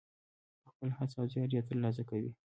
په خپله هڅه او زیار یې ترلاسه کوي.